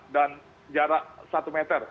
dan jarak satu meter